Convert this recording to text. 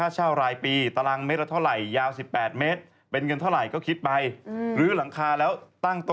ชาวบ้านเขาก็จะต้องไม่มีอย่างนี้นะครับ